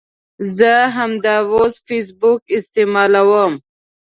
زه همداوس فیسبوک استعمالوم